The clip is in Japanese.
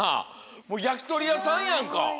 もうやきとりやさんやんか！